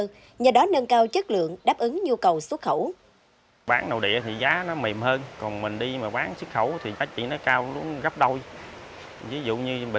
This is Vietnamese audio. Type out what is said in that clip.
nhờ đó nâng cao chất lượng đáp ứng nhu cầu xuất khẩu